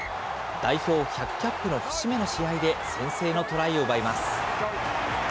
代表１００キャップの節目の試合で先制のトライを奪います。